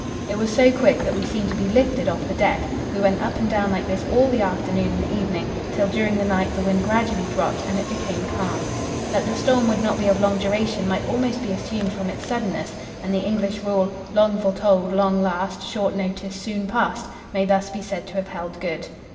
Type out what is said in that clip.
It was so quick that we seemed to be lifted off the deck. We went up and down like this all the afternoon and evening, till during the night the wind gradually dropped and it became calm. That the storm would not be of long duration might almost be assumed from its suddenness, and the English rule Long foretold, long last; Short notice, soon past' may thus be said to have held good.